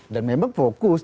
dan memang fokus